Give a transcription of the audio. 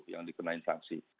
yang dikenai sanksi